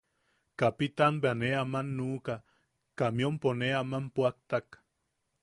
Kapitaan bea nee aman nuʼuka, kamiampo ne aman puʼaktak.